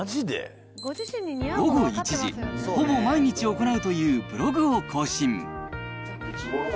午後１時、ほぼ毎日行うというブログを更新。